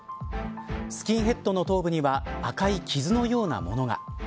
スキンヘッドの頭部には赤い傷のようなものが。